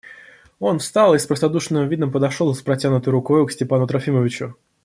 Он встал и с простодушным видом подошел с протянутою рукой к Степану Трофимовичу.